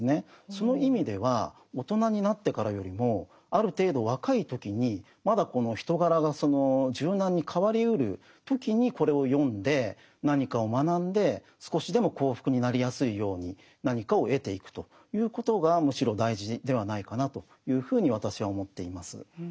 その意味では大人になってからよりもある程度若い時にまだこの人柄が柔軟に変わりうる時にこれを読んで何かを学んで少しでも幸福になりやすいように何かを得ていくということがむしろ大事ではないかなというふうに私は思っています。